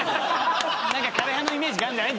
何か枯れ葉のイメージがあるんじゃない？